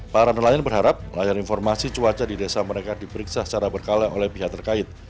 para nelayan berharap layar informasi cuaca di desa mereka diperiksa secara berkala oleh pihak terkait